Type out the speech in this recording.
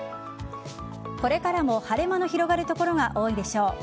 これからも晴れ間の広がる所が多いでしょう。